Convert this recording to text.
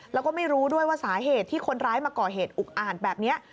แล้วก็ไม่รู้ด้วยว่าสาเหตุที่คนร้ายมาก่อเหตุอุกอาจแบบนี้